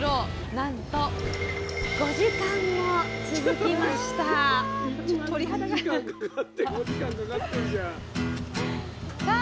なんと５時間も続きましたさあ